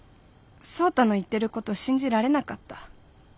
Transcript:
創太の言ってること信じられなかった。